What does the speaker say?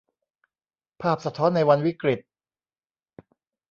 ภาพสะท้อนในวันวิกฤต